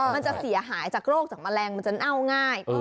มันจะเสียหายจากโรคจากแมลงมันจะเน่าง่าย